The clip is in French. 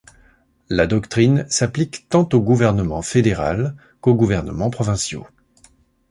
La doctrine s'applique tant au gouvernement fédéral qu'aux gouvernements provinciaux.